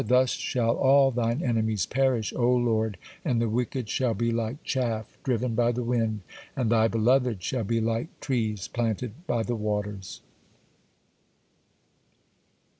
Thus shall all Thine enemies perish, O Lord, and the wicked shall be like chaff driven by the wind, and Thy beloved shall be like trees planted by the waters.